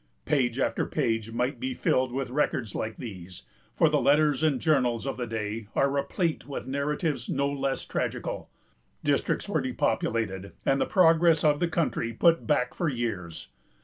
Page after page might be filled with records like these, for the letters and journals of the day are replete with narratives no less tragical. Districts were depopulated, and the progress of the country put back for years.